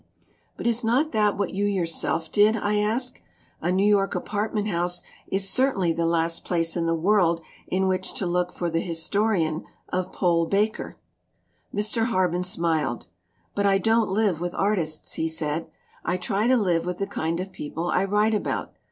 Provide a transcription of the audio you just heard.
"But is not that what you yourself did?" I asked. "A New York apartment house is cer tainly the last place in the world in which to look for the historian of Pole Baker! " Mr. Harben smiled. "But I don't live with artists," he said. "I try to live with the kind of people I write about.